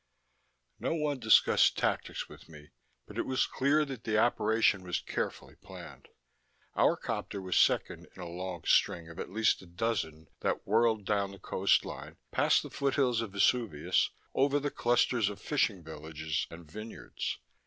XII No one discussed tactics with me, but it was clear that this operation was carefully planned. Our copter was second in a long string of at least a dozen that whirled down the coastline, past the foothills of Vesuvius, over the clusters of fishing villages and vineyards.